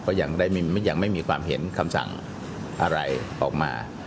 ก็ยังไม่มีความเห็นคำสั่งอะไรออกมา